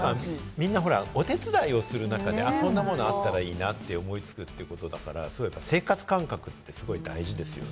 みんな、お手伝いをする中で、こんなものがあったらいいなと思いつくということだから、生活感覚って、すごく大事ですよね。